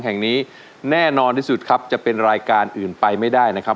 แห่งนี้แน่นอนที่สุดครับจะเป็นรายการอื่นไปไม่ได้นะครับ